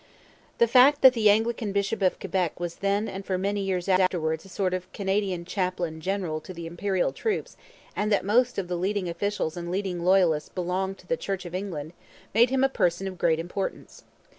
The fact that the Anglican bishop of Quebec was then and for many years afterwards a sort of Canadian chaplain general to the Imperial troops and that most of the leading officials and leading Loyalists belonged to the Church of England made him a personage of great importance.